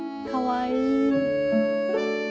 かわいい。